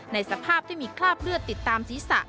สภาพที่มีคราบเลือดติดตามศีรษะ